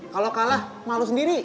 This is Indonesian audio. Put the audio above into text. kalau kalah malu sendiri